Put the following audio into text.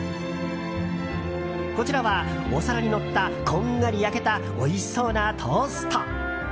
こちらは、お皿にのったこんがり焼けたおいしそうなトースト。